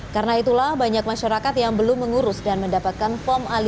karena itulah banyak masyarakat yang belum mengurus dan mendapatkan form a lima